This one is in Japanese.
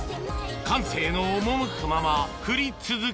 感性の赴くまま振り続け